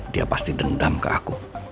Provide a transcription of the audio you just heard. dia pasti dendam ke aku